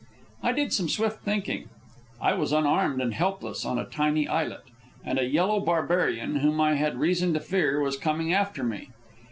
I did some swift thinking. I was unarmed and helpless on a tiny islet, and a yellow barbarian, whom I had reason to fear, was coming after me.